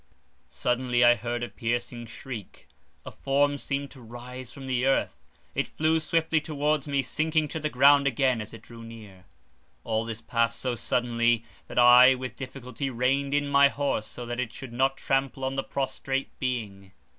Suddenly I heard a piercing shriek; a form seemed to rise from the earth; it flew swiftly towards me, sinking to the ground again as it drew near. All this passed so suddenly, that I with difficulty reined in my horse, so that it should not trample on the prostrate being.